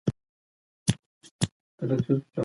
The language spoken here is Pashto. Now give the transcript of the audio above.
ده د ناروغيو د خپرېدو مخه ونيوله.